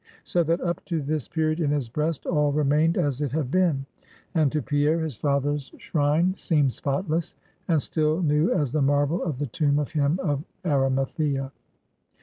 So that up to this period, in his breast, all remained as it had been; and to Pierre, his father's shrine seemed spotless, and still new as the marble of the tomb of him of Arimathea.